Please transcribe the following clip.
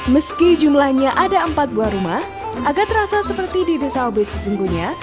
meski jumlahnya ada empat buah rumah agak terasa seperti di desa obes sesungguhnya